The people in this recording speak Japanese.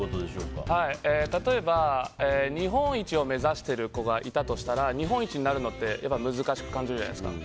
例えば、日本一を目指している子がいたとしたら日本一になるのって難しく感じるじゃないですか。